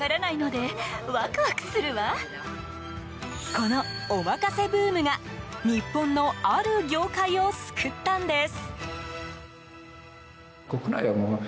このお任せブームが日本の、ある業界を救ったんです。